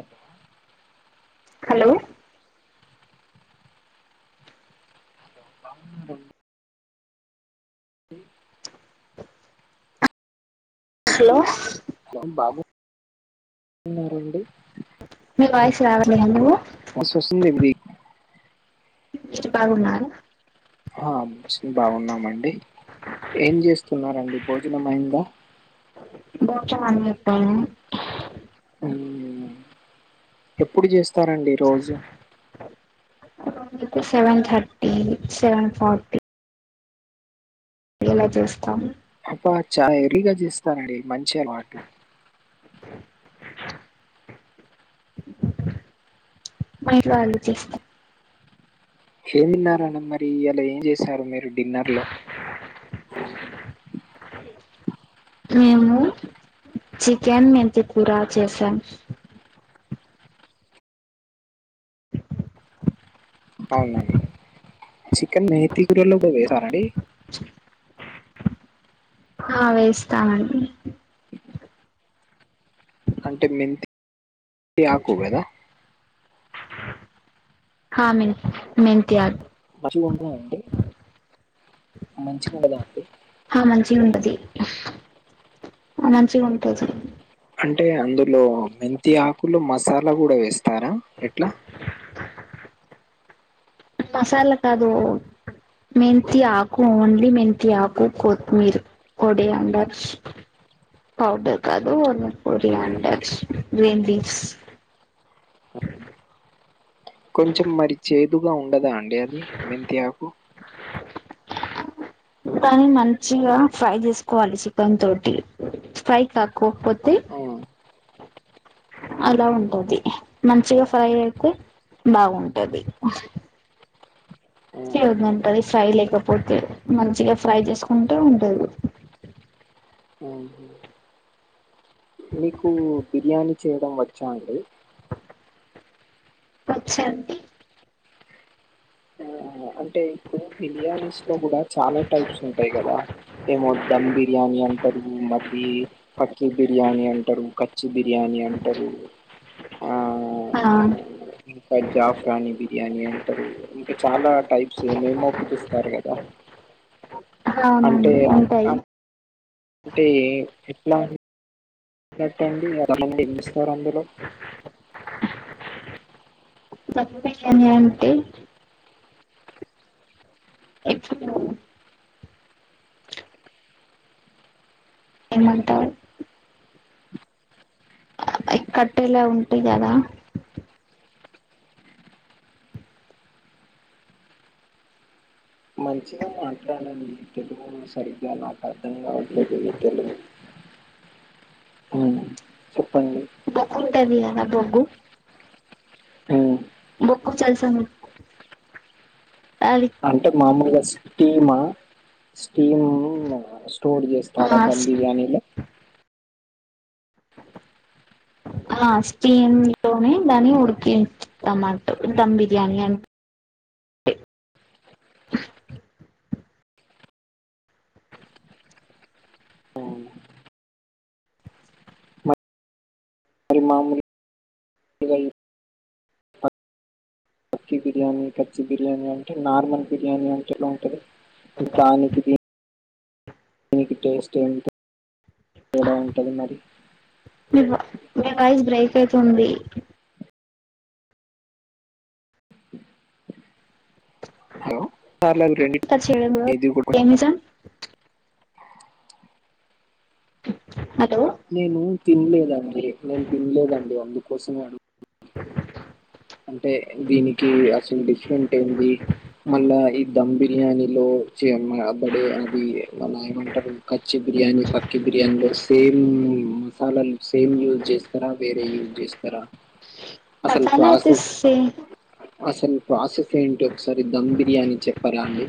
అఓే hello [unintelligible] అ hello ఉన్నారండి మీ voice రావట్లాదు నువ్వు ఆ మస్తు వస్తుంది అండీ మీరు బాగున్నారా ఆ బాగున్నామండి ఏం చేస్తున్నారండి భోజనం అయిందా బో చా అని చెప్పాలే మ్మ్. ఎప్పుడు చేస్త వస్తారండి రోజు సెవెన్ థర్టీ సెవెన్ ఫార్టీ ఎలా చేస్తాము అబ్బా చాలా ఎర్లీగా చేస్తారండి మంచి అలవాటు, మా ఇంట్లో అంతే ఏమి తిన్నారన్న మరి ఇలా ఏం చేశారు మీరు డిన్నర్ లో మేము చికెన్ మెంతు కూర చేసాం, అవునండి చికెన్ మేతీ కురలో కూడా వస్తారండి, ఆ వేస్తానండి అంటే మెంతి ఏ యాకు కదా హ హా మె మెతి ఆకు మంచిగా ఉంటదా అండి, మంచిగా ఉండదా అండి హ మంచిగా ఉంటది అనంచి ఉంటంది అంటే అందులో మెంతి ఆకులు మసాలా కూడా వేస్తారా ఎట్లా మసాలా కాదు మెంతి ఆకు ఓన్లీ మెంతి ఆకు కొత్తిమీర్ పొడి అండచ్ పౌడర్ కాదు ఓన్లీ పొడి అండచ్ గ్రీన్ లీవ్స్ కొంచం మరి చే దుగా ఉండదా అండి అది మెంతి ఆకు కానీ మంచిగా ఫ్రై చేసుకోవాలి చికెన్ తోటి ఫ్రై కాకోకపోతే ఆ! అలా హ్మ్. ఉంటది మంచిగా ఫ్రై అయితే బాగుంటది చే ఆహా! ఉంటది ఫ్రై లేకపోతే మంచిగా ఫ్రై చేసుకుంటే ఉంటదు ఆహా! మీకు బిర్యానీ చేయడం వచ్చా అండి వచ్చండి అన్ అంటే ఈప్పుడు బిర్యానీస్ లో కూడా చాలా టైప్స్ ఉంటాయి కదా ఏమో దమ్ బిర్యానీ అంటారు మళ్ళీ పక్కీ బిర్యానీ అంటరు కచ్చి బిర్యానీ అంటరు ఆ ఇంకా జాఫ్రానీ బిర్యానీ అంటరు ఇంకా చాలా టైప్స్ ఏమేమి మో పిలుస్తారు కదా అంటే అవునండి ఉంటాయి అంటే ఎట్లా [inaudible] అండి ఎమేస్తారు అందులో తమ్ము ర్యానీ అంటే ఎట్టుండాలే ఏమంత కట్టేలు అవి ఉంటాయి కదా మంచిగా మాట్లాడండి తెలుగు సరిగ్గా నాకు అర్థం కావట్లేదు మీ తెలుగు ఉ ప్పండి తెల్లగా బొగ్గు ఉమ్, బొగ్గు తెలుసా మీ ఆది అంటే మామూలుగా టీమా స్టీమ్ స్టోర్ చేస్తారా ఆ ధమ్ బిర్యానీలో ఆ స్టీమ్ లోనే దాన్ని ఉడికిం [inaudible] టమాటో దమ్ బిర్యానీ అంటే ఉమ్, మరి మామూల్ అక్కీ బిర్యానీ కజ్జి బిర్యానీ అంటే నార్మల్ బిర్యానీ అంటే ఏలా ఉంటది దానికి దీన్ నికి టేస్ట్ ఏం తేడా ఉంటుంది మరి మీ వా మీ వాయిస్ బ్రేక్ యితుంది హలో సార్లా రెండి కట్ చేయడం కూడా ఇది ఏమిజం హలో నేను తిన్లేదండి నేను తన్లేదండి అందుకోసమే అడు అంటే దీనికి అసలు డిఫరెంట్ ఏంది మళ్ళా ఈ ధమ్ బిర్యానీలో [inaudible] అది మళ్ళ ఏమంటారు కచ్చి బిర్యానీ పక్కి బిర్యానీలో సేమ్ మసాలాలు సేమ్ యూజ్ చేస్తారా వేరే యూజ్ చేస్తారా? అసల్ మసాలా అయితే సేమ్ ప్రాసెస్ ఏంటి ఒకసారి ధమ్ బిర్యానీ చెప్పారా అండి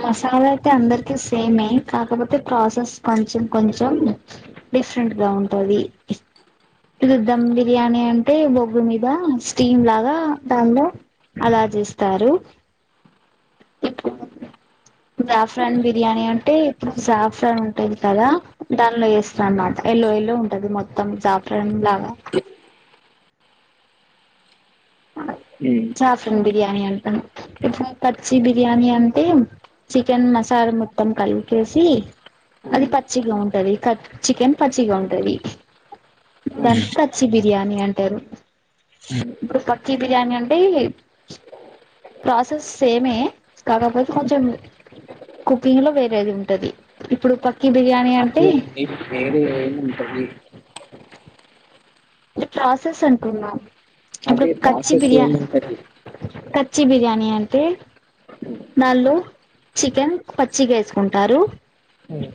మసాలా అయితే అందరికి సేమే కాకపోతే ప్రాసెస్ కొంచం కొంచం డిఫరెంట్గా ఉంటది. ధమ్ బిర్యాణి అం అంటే బొగ్గు మీద స్టీమ్ లాగా దాన్లో అలా చేస్తారు. ఇప్పుడు జాఫ్రాన్ బిర్యానీ అంటే ఇప్పుడు జాఫ్రాన్ ఉంటది కదా దాన్లో చేస్తా అనమాట ఎల్లో ఎల్లో ఉంటది మొత్తం జా న్ లాగా హ్మ్. జా ధమ్ బిర్యాని అంటం ఇప్పుడు పచ్చి బిర్యానీ అంటే చికెన్ మసాలా మొత్తం కలిపేసి అది హ్మ్. పచ్చిగా ఉంటది చికెన్ పచ్చిగా ఉంటది హ్మ్. దాన్ పచ్చి బిర్యానీ అంటారు హ్మ్. ఇప్పుడు చ్చి బిర్యానీ అంటే ప్రాసెస్ సేమే కాకపోతే హ్మ్. కొంచం కుకింగ్లో వేరేది ఉంటంది ఇప్పుడు పకి అదే అండి వేరే ఏమి ఉంటది. ఇ ప్రాసెస్ అంటున్నా అదే ప్రాసెస్ ఏం ఉంటది. పచ్చి బిర్యానీ అంటే దాన్లో చికెన్ పచ్చిగా ఏసుకుంటారు హ్మ్.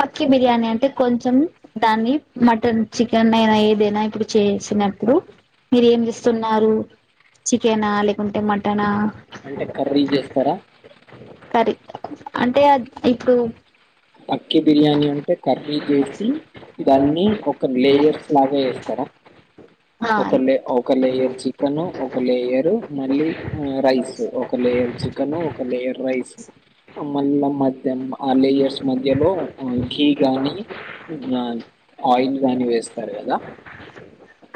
పక్కి బిర్యానీ అంటే కొంచం దాన్ని మటన్ చికెన్ అయినా ఏదైనా ఇప్పుడు చేసినప్పుడు మీరు ఏం చేస్తున్నారు చికెనా లేకుంటే మటనా అంటే కర్రీ చేస్తరా కర్రీ అంటే అద్ ఇప్పుడు పక్కి బిర్యానీ అంటే కర్రీ చేసి దాన్ని ఒక లేయర్స్ లాగా ఏస్తరా ఆ ఒక ఒక లేయర్ చికెన్ ఒక లేయరు మళ్ళీ రైస్ ఒక లేయర్ చికెన్ ఒక లేయర్ రైస్ మళ్ళా మ. [unintelligible] మధ్యలో గీ గానీ ఆయిల్ గానీ వేస్తారు కదా.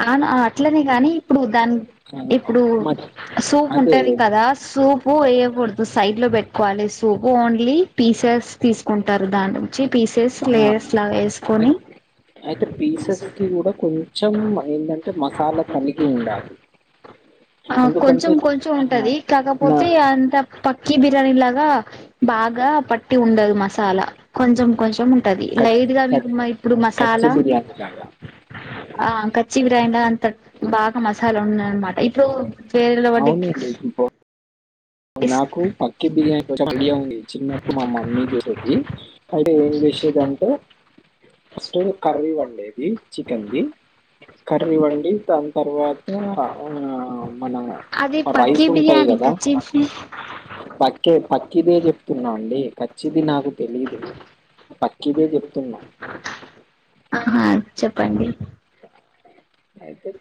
అవును అట్లనే గానీ ఇప్పుడు దాన్ ఆ, ఇప్పుడు మ సూప్ అదే ఉంటది కదా సూపు ఏ. కుడదు సైడ్లో పెట్టుకోవాలి సోపు ఓన్లీ పీసెస్ తీసుకుంటారు. దాన్నుంచి పీసెస్ ఆ, లేయర్స్లా ఎస్కొని అయి- పీసెస్కి గుడా కొంచం ఏంటంటే మసాలా తనిగి ఉండాలి ఆ కొంచం ఎందుకంటే కొంచం ఆ, ఉంటది నా కాకపోతే అంత పక్ క్కీ బిర్యానీ లాగా బాగా పట్టి ఉండదు మసాలా కొంచం కొంచం ఉంటది లైట్గా మీకు ఇప్పుడు కచ్చి మసాలా బిర్యానీ లాగా ఆ కచ్చి బిర్యానీలా అంత బాగా మసాలా ఉన్నదన్నమాట [inaudible] ఫేర్లో వాటి అవునండి నాకు పక్కే బిర్యానీం చ ఐడియా ఉంది చిన్నప్పుడు మా మమ్మీ చేసేది అయితే ఏం చేసేదింటే ఫస్ట్ కర్రీ వండేది చికెన్ది. కర్రీవండి దాని తర్వాత ఆ మన అది పక్కీ రైస్ ఉంటాయి బిర్యానీ కదా. కచ్చిఫ్ పక్కే పకిదే చెప్తున్నా అండి ఖచ్చిది నాకు తెలీదు ఇక ఇదే చెప్తున్నా ఆహా చెప్పండి అయితే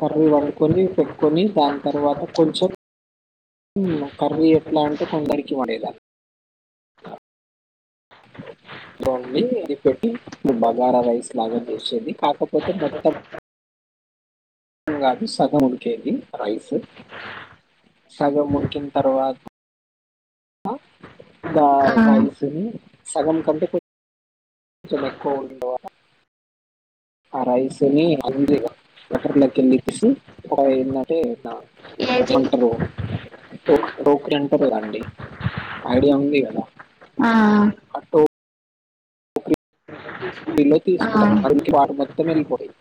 కర్రీ వండుకొని పెట్టుకొని దాని తర్వాత కొంచెం కర్రీ ఎట్లా అంటే కొందరికి పడేదా స రండి ఎదిపెట్టి ఇప్పుడు బగారా రైస్ లాగా చేసేది కాకపోతే మొత్తం అ కాదు సగముడు కేేది రైస్ సగ ముడికిన తర్వాత ఆ దాల్ రైసినీ సగం కంటే కొంచం. జమ కోడ గ ఆ రైసిని అందరూ బట్టలకింద కింద ఇప్పేసి [unintelligible] అంటే ఎలా. ఏది ఎంటలోడు టోక టోకరీ అంటారు కదాండి ఐడియా ఉంది కదా ఆ ఆ ఇల్లు ఆ తీసుకున్నాం అది ముఖ్య. తమిల్ పోయిల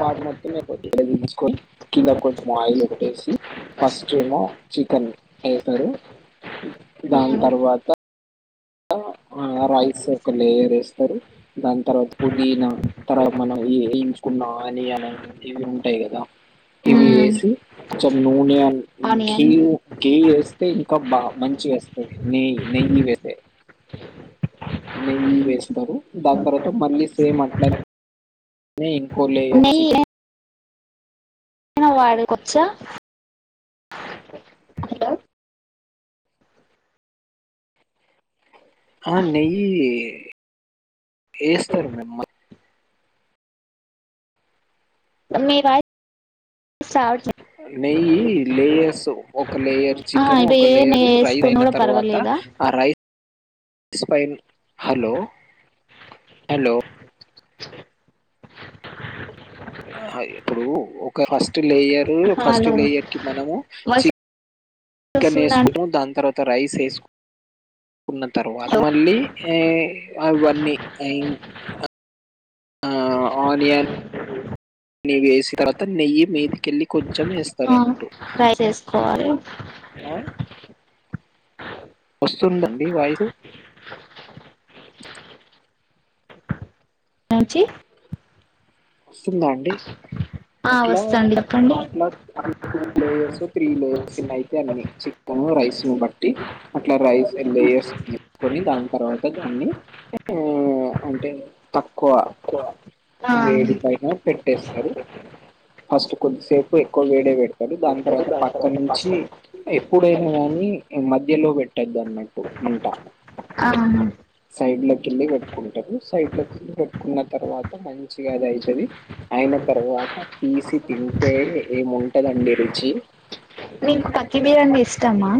వాటి మొత్తం. ఉమ్ ఆ రైస్ ఒక లేయర్ వేస్తారు దాని తర్వాత పుదీనా తర్వాత మనం వేయించుకున్న ఆనియన్ ఇవి ఉంటాయి కదా ఇవి ఉమ్ వేసి కొంచెం నూనె ఆనియన్ స్ ఇంకాబ్బా మంచిగోస్తద్ది నేయి నెయ్యి వేస్తే. అనియ వేస్తారు దాని తర్వాత మళ్ళీ సేమ్ అట్లా న కోలే ఇర్చి వాడు కొచ్చా ఆ న ఏ తర్మ మ మ స్టార్ నెయ్యి లేయర్సు ఒక లేయర్ ఆ చికెన్ ఇప్పుడు ఒక ఏ లేయరు నెయ్యి రైస్ వేసుకున్న అయిన కూడా తర్వాత పర్వాలేదా ఆ రైస్ స్పైన్ హలో హలో [unintelligible] [inaudible] ఆ ఇప్పుడు ఒక first layer first hello layer కి మనము వాయిస్ చికెన్ వస్తుందా అండి వేసుకుంటాము దాని తర్వాత రైస్ వేసుకు ఉన్న తర్వాత హలో మళ్ళీ ఆ అవన్నీ ఆ ఆనియన్ నీ వేసి తర్వాత నెయ్యి మీదకెల్లి కొం ఆ ట్రై చేసుకోవాలి ఆ వస్తుందండి వాయిసు నొచ్చి వస్తుందా అండి ఆ అట్లా వస్తాండి చెప్పండి అట్లా అట్లా టూ లేయర్స్ త్రీ లేయర్స్ ఎన్ని అయితే అన్ని చికెన్ రైస్ బట్టి అట్లా రైస్ లేయర్స్ తీసుకొని దాన్ తర్వాత దాన్ని ఆ అంటే తక్కువ ఆ పైనా పెట్టేస్తరు ఫస్ట్ కొద్దిసేపు ఎక్కువ వేడే పెడతాడు దాని తర్వాత ప అక్కడ నుంచి ఎప్పుడైనా కానీ మధ్య మధ్యలో పెట్టదు అన్నట్టు మంట ఆ సైడ్ లో కెళ్ళి పెట్టుకుంటరు సైడ్ లో కెళ్ళి పెట్టుకున్న తర్వాత మంచిగా అది ఐ ఇది ఆయిన తర్వాత తీసి తింటే ఏముంటదండి రుచి నీక్ పక్కి బీర్ అంటే ఇష్టమ్మా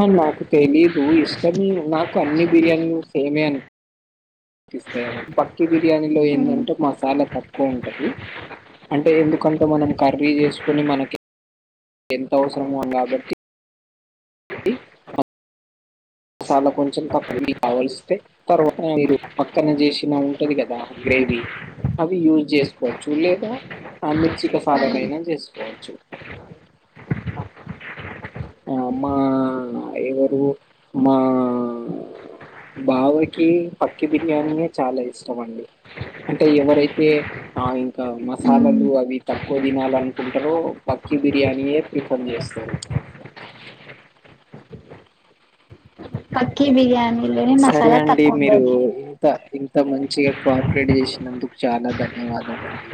ఆ నాకు తెలీదు ఇష్టమే నాకు అన్నీ బిర్యానీలు సేమే అన్ స్తాయండి పక్కీ బిర్యానీలో ఏంటంటే మసాలా తక్కువ ఉంటది అంటే ఎందుకంటే మనం కర్రీ చేసుకుని మనకి ఎంత అవసరమో నా బట్టి అ మసాలా కొంచెం తప్పిలి ఆవలిస్తే తర్వాత మీరు పక్కన చేసినా ఉంటది కదా గ్రేవీ అవి యూజ్ చేసుకోవచ్చు లేదా ఆ మిర్చి కసాలనైనా చేసుకోవచ్చు [unintelligible] [inaudible] అమ్మా ఎవరు మా బావకి పక్కి బిర్యానీ చాలా ఇష్టం అండి అంటే ఎవరైతే ఆ ఇంకా మసాలాలు అవి తక్కువ తినాల అనుకుంటారో పక్కి బిర్యానీయే ప్రిఫర్ చేస్తారు పకి బం సరే అండి మీరు ఇంత ఇంత మంచిగా కోఆపరేట్ చేసినందుకు చాలా ధన్యవాదాల అండి